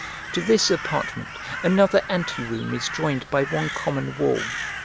To this apartment another anteroom is joined by one common wall.